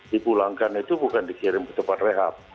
dipulangkan itu bukan dikirim ke tempat rehab